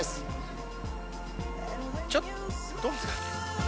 ちょっどうですか？